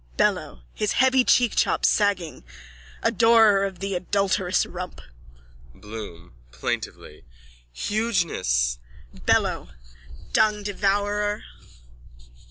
BELLO: (His heavy cheekchops sagging.) Adorer of the adulterous rump! BLOOM: (Plaintively.) Hugeness! BELLO: Dungdevourer!